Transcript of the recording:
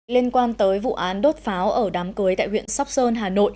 liên quan tới vụ án đốt pháo ở đám cưới tại huyện sóc sơn hà nội